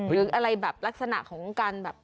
หรืออะไรแบบลักษณะของการแบบ